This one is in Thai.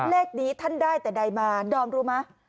เลขนี้ท่านได้แต่ใดมาดอมรู้ไหม